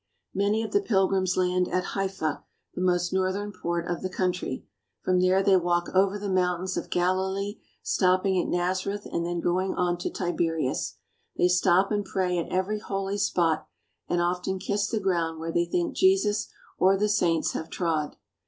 Many of the pilgrims land at Haifa, the most northern port of the country. From there they walk over the mountains of Galilee, stopping at Nazareth and then going on to Tiberius. They stop and pray at every holy spot and often kiss the ground where they think Jesus or the saints have trod.